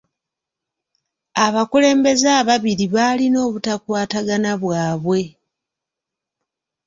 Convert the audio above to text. Abakulembeze ababiri baalina obutakwatagana bwabwe.